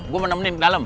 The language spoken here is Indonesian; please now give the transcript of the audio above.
gue menemani ke dalam